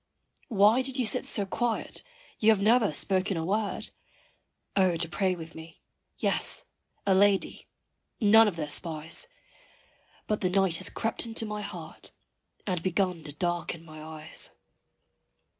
Why did you sit so quiet? you never have spoken a word. O to pray with me yes a lady none of their spies But the night has crept into my heart, and begun to darken my eyes.